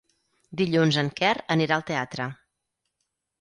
Dilluns en Quer anirà al teatre.